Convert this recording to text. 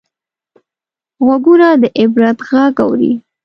غوږونه د عبرت غږ اوري